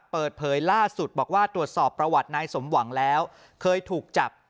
เปิดเผยล่าสุดบอกว่าตรวจสอบประวัตินายสมหวังแล้วเคยถูกจับ